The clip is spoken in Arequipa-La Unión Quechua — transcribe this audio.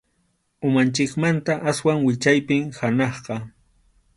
Umanchikmanta aswan wichaypim hanaqqa.